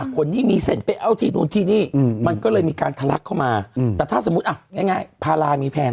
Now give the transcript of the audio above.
คนที่มีเสร็จไปเอาที่นู่นที่นี่มันก็เลยมีการทะลักเข้ามา